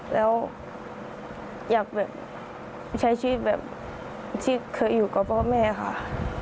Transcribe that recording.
แล้วอยากแบบใช้ชีวิตแบบที่เคยอยู่กับพ่อแม่ค่ะ